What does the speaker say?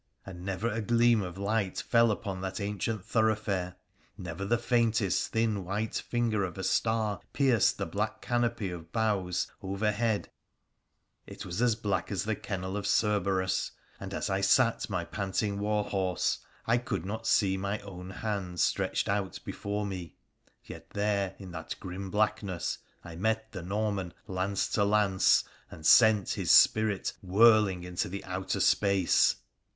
And never a gleam of light fell upon that ancient thoroughfare ; never the faintest, thin white finger of a star pierced the black canopy of bough3 overhead ; it was as black as the kennel of Cerberus, and as I sat my panting war horse I could not see my own hand stretched out before me — yet there, in that grim blackness, I met the Norman lance to lance, and sent his spirit whirling into the outer space